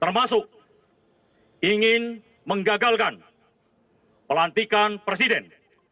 termasuk ingin menggagalkan pelantikan presiden